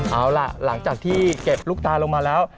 เอาล่ะหลังจากที่เก็บลูกตาลงมาแล้ว